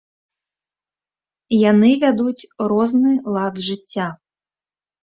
Яны вядуць розны лад жыцця.